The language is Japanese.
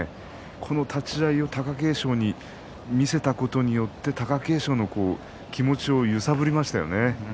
この立ち合いを貴景勝に見せたことによって貴景勝の気持ちを揺さぶりましたよね。